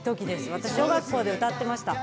私、小学校で歌ってました。